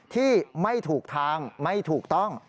ที่ไม่ถูกทางไม่ถูกต้อง